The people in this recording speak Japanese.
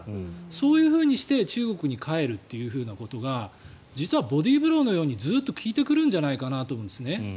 そういうふうにして中国に帰るということが実はボディーブローのようにずっと効いてくるんじゃないかと思うんですね。